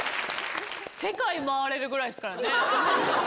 世界回れるぐらいですからね。